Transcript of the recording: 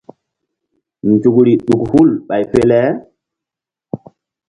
Nzukri ɗuk hul ɓay fe le.